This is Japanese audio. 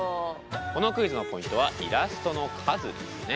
このクイズのポイントはイラストの数ですね。